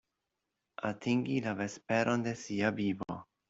Atingi la vesperon de sia vivo.